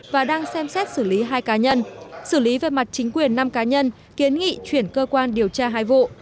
và đang xem xét xử lý hai cá nhân xử lý về mặt chính quyền năm cá nhân kiến nghị chuyển cơ quan điều tra hai vụ